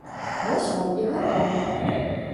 Вось вам і гатова!